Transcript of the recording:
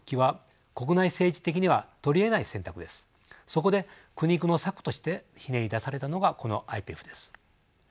そこで苦肉の策としてひねり出されたのがこのＩＰＥＦです。